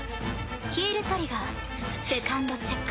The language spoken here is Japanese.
ヒールトリガーセカンドチェック。